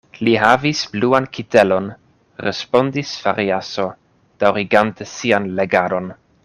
Li havis bluan kitelon, respondis Variaso, daŭrigante sian legadon.